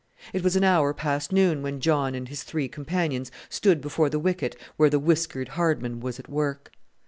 It was an hour past noon when John and his three companions stood before the wicket where the whiskered Hardman was at work.